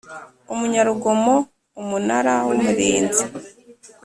umunyarugomo Umunara w Umurinzi